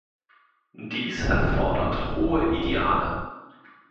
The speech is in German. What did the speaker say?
Dies erfordert hohe Ideale.